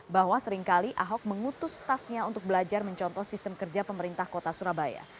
bahwa seringkali ahok mengutus staffnya untuk belajar mencontoh sistem kerja pemerintah kota surabaya